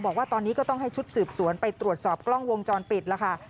บอกว่าตอนนี้ก็ต้องให้ชุดสืบสวนไปตรวจสอบกล้องวงจรปิดแล้วค่ะ